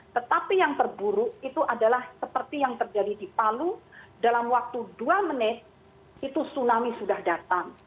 tetapi yang terburuk itu adalah seperti yang terjadi di palu dalam waktu dua menit itu tsunami sudah datang